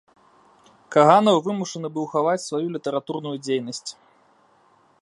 Каганаў вымушаны быў хаваць сваю літаратурную дзейнасць.